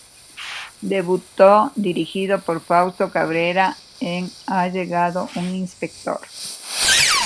Debutó dirigido por Fausto Cabrera, en "Ha llegado un inspector.